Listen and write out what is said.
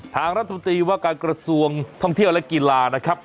ทางรัฐมนตรีว่าการกระทรวงท่องเที่ยวและกีฬานะครับ